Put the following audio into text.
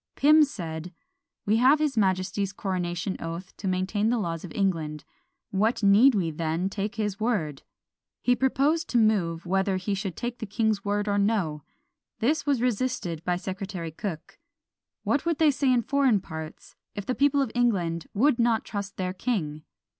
Pym said, "We have his majesty's coronation oath to maintain the laws of England; what need we then take his word?" He proposed to move "Whether we should take the king's word or no." This was resisted by Secretary Cooke; "What would they say in foreign parts, if the people of England would not trust their king?"